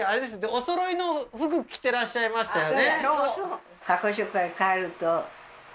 お揃いの服着てらっしゃいましたよね